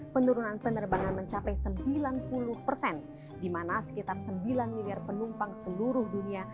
penurunan penerbangan mencapai sembilan puluh persen di mana sekitar sembilan miliar penumpang seluruh dunia